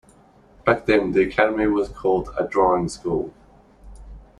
Back then the academy was called a Drawing School.